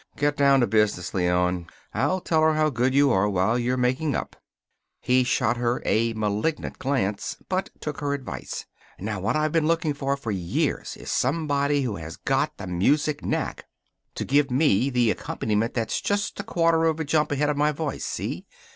"Get down to business, Leon. I'll tell her how good you are while you're making up." He shot her a malignant glance, but took her advice. "Now what I've been looking for for years is somebody who has got the music knack to give me the accompaniment just a quarter of a jump ahead of my voice, see?